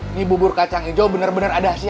ini bubur kacang hijau bener bener ada hasilnya